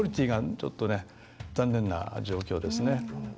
クオリティがちょっと残念な状況ですね。